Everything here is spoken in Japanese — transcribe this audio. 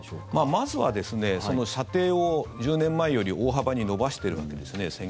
まずは、射程を１０年前より大幅に延ばしているんですね